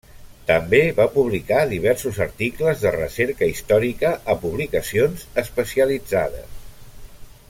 També va publicar diversos articles de recerca històrica a publicacions especialitzades.